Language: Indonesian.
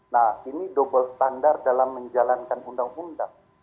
nah ini double standard dalam menjalankan undang undang